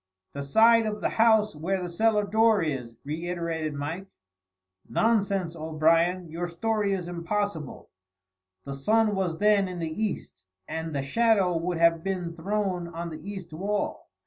"The side of the house where the cellar door is," reiterated Mike. "Nonsense, O'Brien. Your story is impossible. The sun was then in the east and the shadow would have been thrown on the east wall.